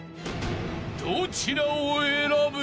［どちらを選ぶ？］